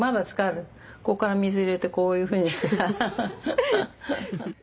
ここから水入れてこういうふうにしてアハハ。